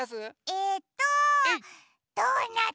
えっとドーナツ！